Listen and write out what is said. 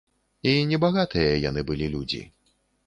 І небагатыя яны былі людзі.